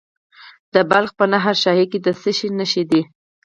د بلخ په نهر شاهي کې د څه شي نښې دي؟